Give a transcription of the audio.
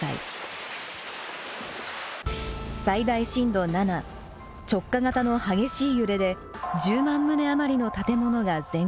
最大震度７直下型の激しい揺れで１０万棟余りの建物が全壊。